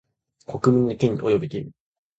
国民の権利及び義務